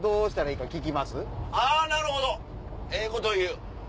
なるほど！ええこと言う。